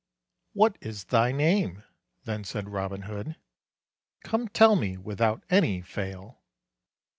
"What is thy name?" then said Robin Hood, "Come tell me, without any fail."